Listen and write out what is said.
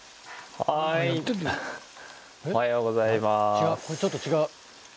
違うこれちょっと違う。